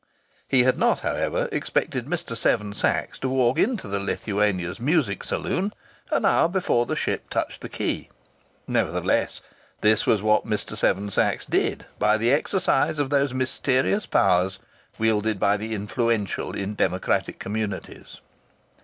He had not, however, expected Mr. Seven Sachs to walk into the Lithuania's music saloon an hour before the ship touched the quay. Nevertheless, this was what Mr. Seven Sachs did, by the exercise of those mysterious powers wielded by the influential in democratic communities.